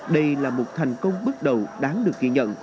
đây là một thành công bước đầu đáng được kỳ nhận